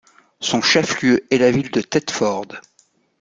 Son chef-lieu est la ville de Thedford.